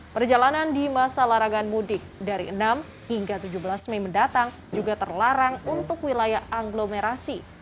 perjalanan di masa larangan mudik dari enam hingga tujuh belas mei mendatang juga terlarang untuk wilayah agglomerasi